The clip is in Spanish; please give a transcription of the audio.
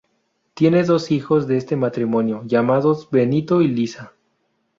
Tiene dos hijos de este matrimonio, llamados Benito y Lisa.